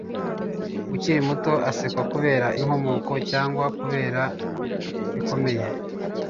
akiri muto, asekwa kubera inkomoko cyangwa kubera bikomey